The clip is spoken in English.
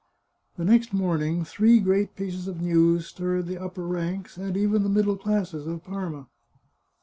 The next morning three great pieces of news stirred the upper ranks, and even the middle classes, of Parma.